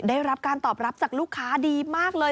ได้รับการตอบรับจากลูกค้าดีมากเลย